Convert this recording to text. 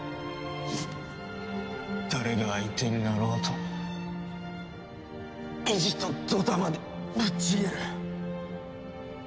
誰が相手になろうとも意地とドタマでぶっちぎる！